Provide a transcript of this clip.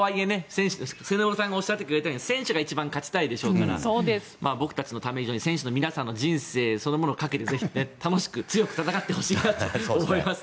とはいえ選手が一番勝ちたいでしょうから僕たちのため以上に選手の皆さんの人生そのものをかけて、ぜひ楽しく強く戦ってほしいなと思います。